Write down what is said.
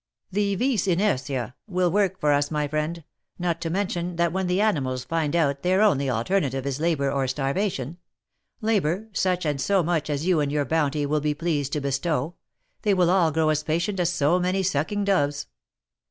The vis inertia will work for us, my friend — not to mention that when the animals find out their only alternative is labour or starvation — labour, such and so much as you in your bounty will be pleased to bestow — they will all grow as patient as so many sucking doves."